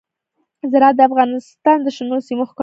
زراعت د افغانستان د شنو سیمو ښکلا ده.